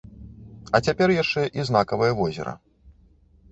А цяпер яшчэ і знакавае возера.